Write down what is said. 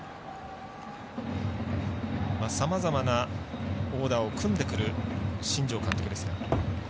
さまざまなオーダーを組んでくる新庄監督ですが。